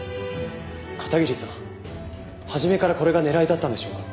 片桐さん初めからこれが狙いだったんでしょうか？